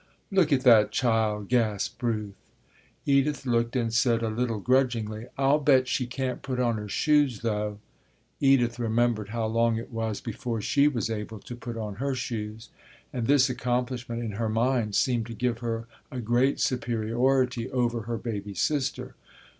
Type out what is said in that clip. "Look at that child," gasped Ruth. Edith looked and said a little grudgingly, "I'll bet she can't put on her shoes though." Edith remembered how long it was before she was able to put on her shoes, and this accomplishment, in her mind, seemed to give her a great superiority over her baby sister.